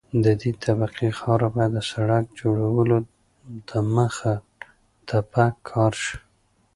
د دې طبقې خاوره باید د سرک جوړولو دمخه تپک کاري شي